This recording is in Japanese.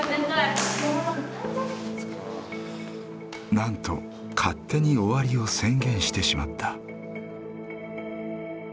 なんと勝手に終わりを宣言してしまった。